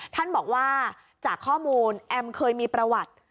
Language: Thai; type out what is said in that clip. ท่านบอกว่าจากข้อมูลแอมเคยมีประวัติ